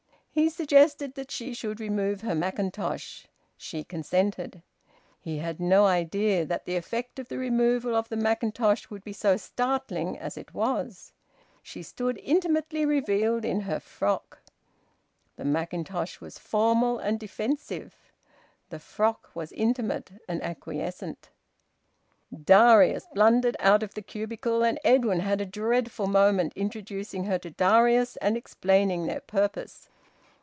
He suggested that she should remove her mackintosh. She consented. He had no idea that the effect of the removal of the mackintosh would be so startling as it was. She stood intimately revealed in her frock. The mackintosh was formal and defensive; the frock was intimate and acquiescent. Darius blundered out of the cubicle and Edwin had a dreadful moment introducing her to Darius and explaining their purpose.